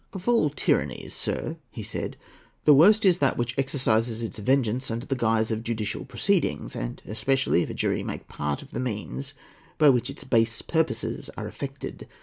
"Of all tyrannies, sir," he said, "the worst is that which exercises its vengeance under the guise of judicial proceedings, and especially if a jury make part of the means by which its base purposes are effected.